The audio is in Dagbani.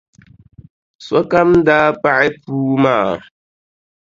Sokam daa paɣi puu maa.